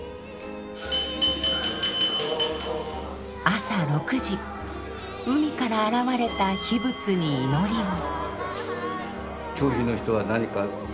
朝６時海から現れた秘仏に祈りを。